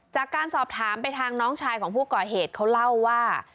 จากการสอบถามไปทางน้องชายของผู้ก่อเหตุเขาเล่าว่า